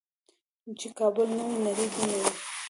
چې کابل نه وي نړۍ دې نه وي.